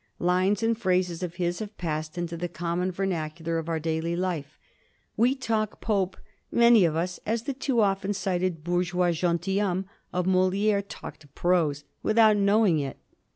Lines and phrases of his have passed into the com mon vernacular of our daily life. We talk Pope, many of us, as the too of ten cited bourgeois gentUhomme of Moli^re talked prose, without knowing it.